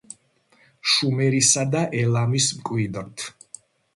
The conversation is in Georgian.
შუმერისა და ელამის მკვიდრთ.